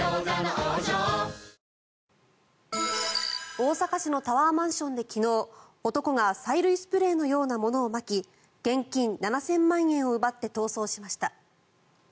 大阪市のタワーマンションで昨日男が催涙スプレーのようなものをまき現金７０００万円を奪って逃走しました。